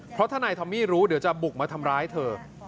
เพราะถ้านายทอมมี่รู้เดี๋ยวจะบุกมาทำร้ายเธอ